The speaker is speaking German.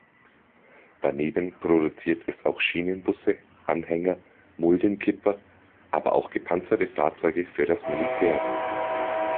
Daneben produziert es auch Schienenbusse, Anhänger, Muldenkipper, aber auch gepanzerte Fahrzeuge für das Militär.